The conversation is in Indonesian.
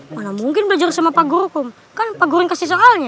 mana mungkin belajar sama pak guru kum kan pak guru yang kasih soalnya